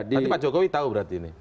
nanti pak jokowi tahu berarti ini